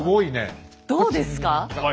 どうですか？